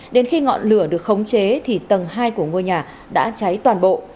đến khi ngọn lửa được khống chế thì tầng hai của ngôi nhà đã cháy toàn bộ